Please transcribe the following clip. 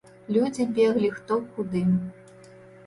Людзі беглі хто куды.